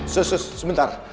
sus sus sebentar